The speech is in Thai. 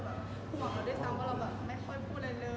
บางแน่ใจว่าคนนั้นมากแล้ว